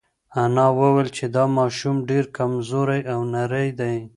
انا وویل چې دا ماشوم ډېر کمزوری او نری دی.